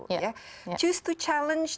choose to challenge dari sekian banyak menentukan